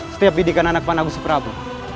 setiap bidikan anak anak gusih prabu